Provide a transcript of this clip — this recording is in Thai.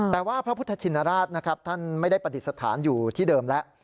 แต่ว่าพระพุทธชินราชนะครับท่านไม่ได้ปฏิสถานอยู่ที่เดิมแล้ว